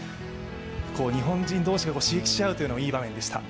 日本人同士が刺激し合うというのがいい場面でした。